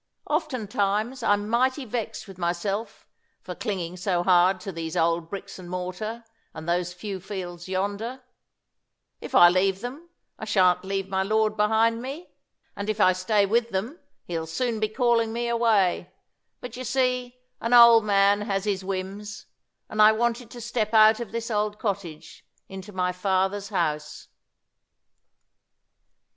"Oftentimes I'm mighty vexed with myself for clinging so hard to these old bricks and mortar, and those few fields yonder. If I leave them, I shan't leave my Lord behind me; and if I stay with them, He'll soon be calling me away. But you see, an old man has his whims; and I wanted to step out of this old cottage into my Father's house."